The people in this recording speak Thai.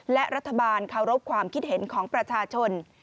และรัฐบาลเคารพความคิดเห็นของประชาชน